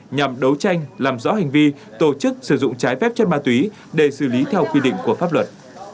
nhằm đấu tranh làm rõ hành vi tổ chức sử dụng trái phép chất ma túy để xử lý theo quy định của pháp luật